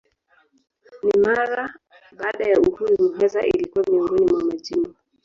Na mara baada ya uhuru Muheza ilikuwa miongoni mwa majimbo.